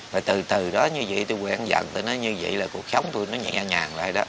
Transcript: và từ từ đó như vậy tôi quen dần tôi nói như vậy là cuộc sống tôi nó nhẹ nhàng vậy đó